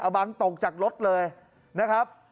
บังตกจากรถเลยนะครับ